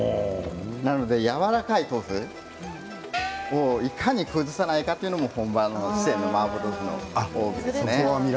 なので、やわらかい豆腐いかに崩さないかというのが本場の四川のマーボー豆腐の奥義です。